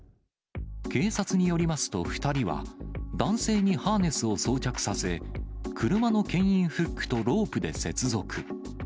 警察によりますと、２人は男性にハーネスを装着させ、車のけん引フックとロープで接続。